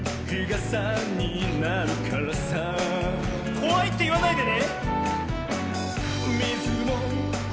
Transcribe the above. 「こわい」っていわないでね。